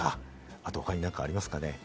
あとは他に何かありますかね？